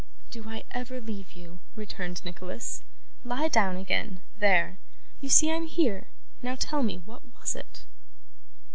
'Do I ever leave you?' returned Nicholas. 'Lie down again there! You see I'm here. Now, tell me; what was it?